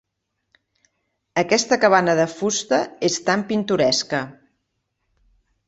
Aquesta cabana de fusta és tan pintoresca.